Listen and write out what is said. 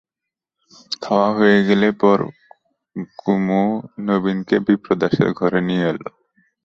খাওয়া হয়ে গেলে পর কুমু নবীনকে বিপ্রদাসের ঘরে নিয়ে এল।